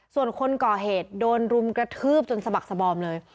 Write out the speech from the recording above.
ส่วนคนก่อเหตุโดนรุมกระทืบจนสะบักสบอมเลย